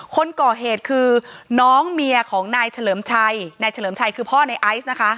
คนก่อเหตุคือน้องเมียของนายเฉลิมชัยนายเฉลิมชัยคือพ่อในไอซ์นะคะ